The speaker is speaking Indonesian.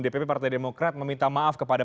dpp partai demokrat meminta maaf kepada